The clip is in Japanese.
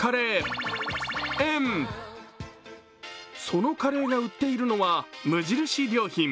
そのカレーが売っているのは無印良品。